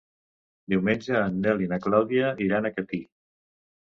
Diumenge en Nel i na Clàudia iran a Catí.